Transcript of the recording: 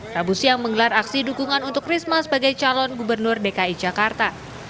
rabu siang menggelar aksi dukungan untuk risma sebagai calon gubernur dki jakarta